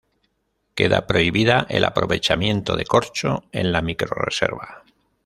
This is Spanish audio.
Queda prohibido el aprovechamiento de corcho en la microrreserva.